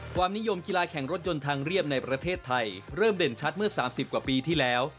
ความนิยมกีฬาแข่งรถยนต์ทางเรียบในประเทศไทยเริ่มเด่นชัดเมื่อ๓๐กว่าปีที่แล้ว